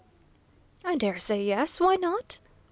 "I daresay, yes, why not?"